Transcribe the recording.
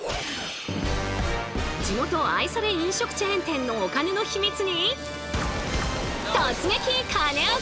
地元愛され飲食チェーン店のお金のヒミツに突撃！